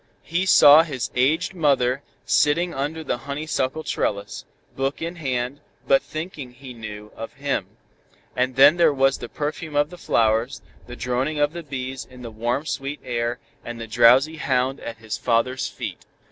He saw his aged mother sitting under the honeysuckle trellis, book in hand, but thinking, he knew, of him. And then there was the perfume of the flowers, the droning of the bees in the warm sweet air and the drowsy hound at his father's feet.